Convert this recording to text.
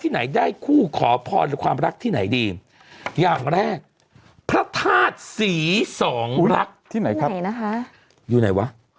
ไหว้ที่ไหนได้